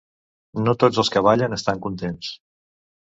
No tots els que ballen estan contents.